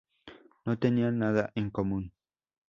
No tenían nada en común.